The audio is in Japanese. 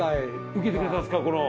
受けてくれたんですかこの。